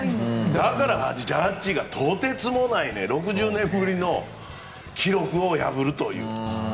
だから、ジャッジがとてつもない６０年ぶりの記録を破るという。